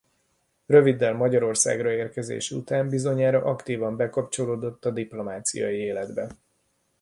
Röviddel Magyarországra érkezése után bizonyára aktívan bekapcsolódott a diplomáciai életbe.